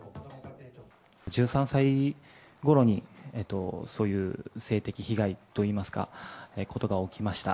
１３歳ごろに、そういう性的被害といいますか、ことが起きました。